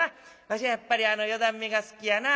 わしはやっぱり四段目が好きやな。